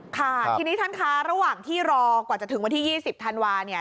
ทีนี้ท่านค้าระหว่างที่รอกว่าจะถึงวันที่ยี่สิบธันวาคมเนี่ย